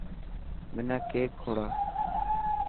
منا ڪيڪ کوڙا.